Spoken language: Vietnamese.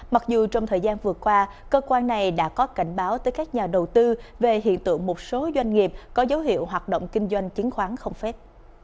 mặc dù trong thời gian vừa qua cơ quan này đã có cảnh báo tới các nhà đầu tư về hiện tượng một số doanh nghiệp có dấu hiệu hoạt động kinh doanh chứng khoán không phép